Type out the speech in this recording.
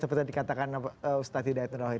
seperti yang dikatakan ustaz hidayat nurul wahid